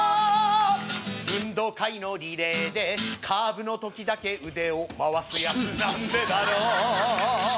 運動会のリレーでカーブの時だけ腕を回すやつなんでだろう